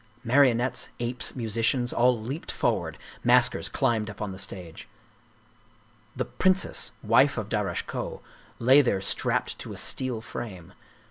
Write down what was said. Marionettes, apes, musicians all leaped forward; mask ers climbed up on the stage. The princess, wife of Darasche Koh, lay there strapped to a steel frame.